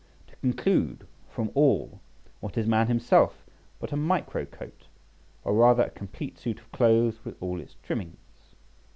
To conclude from all, what is man himself but a microcoat, or rather a complete suit of clothes with all its trimmings?